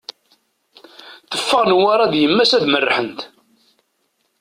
Teffeɣ Newwara d yemma-s ad merrḥent.